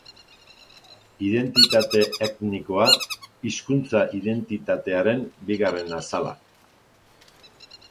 Identitate etnikoa, hizkuntza identitatearen bigarren azala.